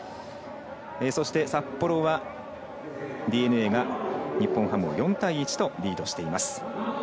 そして札幌はＤｅＮＡが日本ハムを４対１とリードしています。